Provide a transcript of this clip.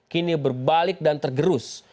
kini berbalik dan tergerus